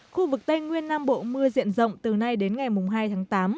khu vực tây nguyên nam bộ mưa diện rộng từ nay đến ngày hai tháng tám